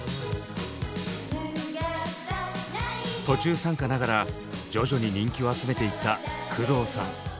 途中参加ながら徐々に人気を集めていった工藤さん。